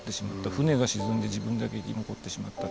船が沈んで自分だけ生き残ってしまった。